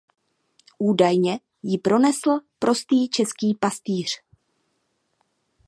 Údajně ji pronesl prostý český pastýř.